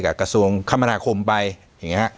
กับกระทรวงคมราคมไปอย่างนี้